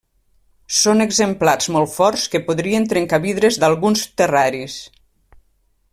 Són exemplars molt forts que podrien trencar vidres d'alguns terraris.